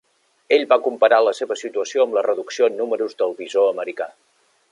Ell va comparar la seva situació amb la reducció en números del bisó americà.